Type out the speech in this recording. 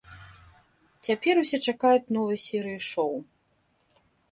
Цяпер усе чакаюць новай серыі шоў.